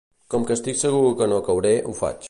Com que estic segur que no cauré, ho faig.